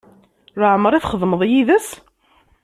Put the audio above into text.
Leɛmeṛ i txedmeḍ yid-s?